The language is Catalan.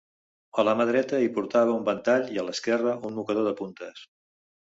A la mà dreta hi portava un ventall i a l'esquerra, un mocador de puntes.